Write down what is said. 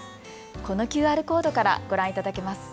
このＱＲコードからご覧いただけます。